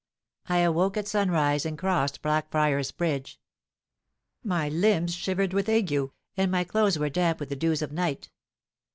I awoke at sunrise, and crossed Blackfriars Bridge. My limbs shivered with ague, and my clothes were damp with the dews of night.